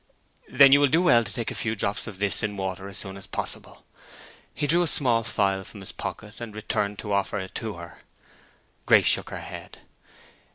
"Then you will do well to take a few drops of this in water as soon as possible." He drew a small phial from his pocket and returned to offer it to her. Grace shook her head.